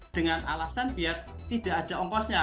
dengan alasan biar tidak ada ongkosnya